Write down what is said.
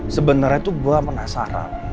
sebenernya tuh gue penasaran